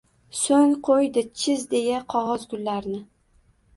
So’ng qo’ydi, “Chiz!” deya qog’oz gullarni.